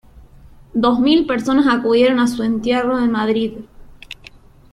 Dos mil personas acudieron a su entierro en Madrid.